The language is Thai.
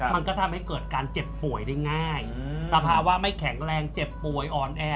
มันก็ทำให้เกิดการเจ็บป่วยได้ง่ายสภาวะไม่แข็งแรงเจ็บป่วยอ่อนแอ